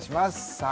さあ